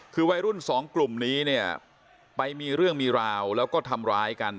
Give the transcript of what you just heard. คือวัยรุ่นสองกลุ่มนี้เนี่ยไปมีเรื่องมีราวแล้วก็ทำร้ายกัน